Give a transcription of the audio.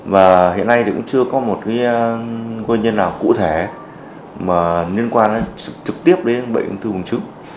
và hiện nay thì cũng chưa có một nguyên nhân nào cụ thể mà liên quan trực tiếp đến bệnh ung thư vùng trứng